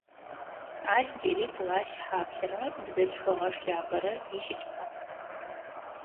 Ащ джыри плащ хьаплърэ бзылъфыгъэ шляпэрэ ищыкӏагъ.